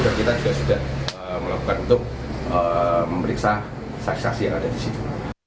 dan kita juga sudah melakukan untuk memeriksa saksi saksi yang ada di situ